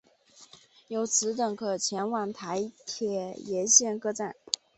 由此等可前往台铁沿线各站。